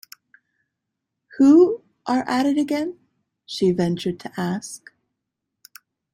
‘Who are at it again?’ she ventured to ask.